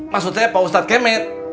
maksudnya pak ustadz kemet